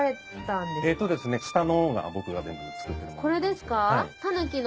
下のほうが僕が全部作ってるもの。